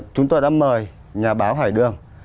chúng tôi đã mời nhà báo hải đường